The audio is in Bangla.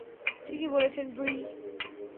ঠিকই বলেছেন, ব্রি।